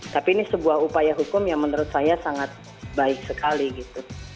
tapi ini sebuah upaya hukum yang menurut saya sangat baik sekali gitu